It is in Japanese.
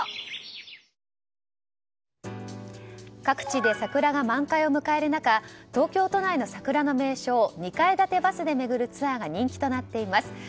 各地で桜が満開を迎える中東京都内の桜の名所を２階建てバスで巡るツアーが人気となっています。